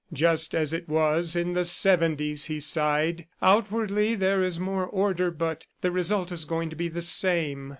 "Just as it was in the '70's," he sighed. "Outwardly there is more order, but the result is going to be the same."